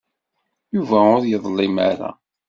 Yuba ur yeḍlim ara.